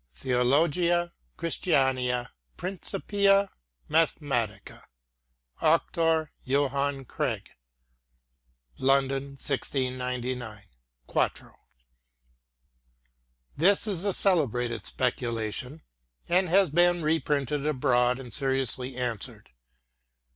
Theologiæ Christianæ Principia Mathematica. Auctore Johanne Craig. London, 1699, 4to. This is a celebrated speculation, and has been reprinted abroad, and seriously answered.